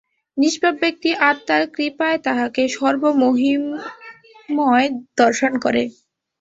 নিষ্পাপ ব্যক্তি আত্মার কৃপায় তাঁহাকে সর্বমহিমময় দর্শন করে।